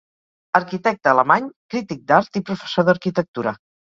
Arquitecte alemany, crític d'art i professor d'arquitectura.